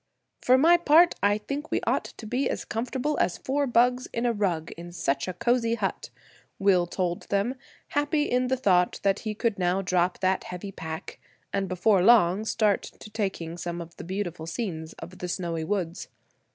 "For my part I think we ought to be as comfortable as four bugs in a rug in such a cozy hut," Will told them, happy in the thought that he could now drop that heavy pack, and before long start to taking some of the beautiful scenes of the snowy woods.